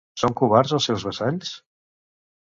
Són covards els seus vassalls?